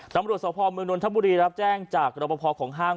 ตำรวจสภเมืองนทบุรีรับแจ้งจากรบพอของห้าง